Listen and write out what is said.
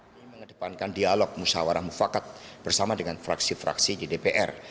ini mengedepankan dialog musyawarah mufakat bersama dengan fraksi fraksi di dpr